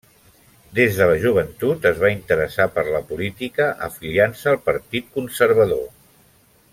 Des de la joventut es va interessar per la política, afiliant-se al Partit Conservador.